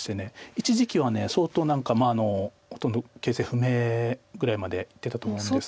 一時期は相当何かほとんど形勢不明ぐらいまでいってたと思うんですが。